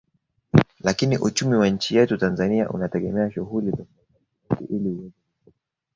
Lakini uchumi wa nchi yetu Tanzania unategemea shughuli tofauti tofauti ili uweze kukua